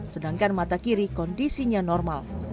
sedangkan mata kiri kondisinya normal